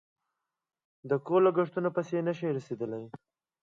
د کور لگښتونو پسې نشي رسېدلی